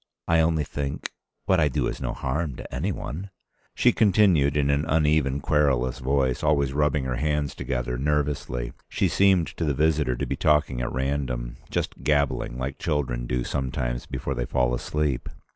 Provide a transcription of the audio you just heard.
I only think. What I do is no harm to any one." ... She continued in an uneven querulous voice, always rubbing her hands together nervously. She seemed to the visitor to be talking at random, just gabbling, like children do sometimes before they fall asleep.